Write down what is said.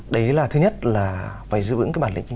đấy là thứ nhất là phải giữ ứng bản thân